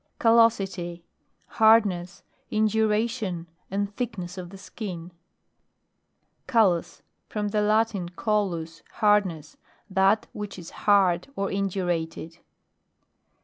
CALLOSITY. Hardness, induration, | and thickness of the skin. I CALLOUS. From the Latin, callus, \ hardness. That which is hard, or induraled.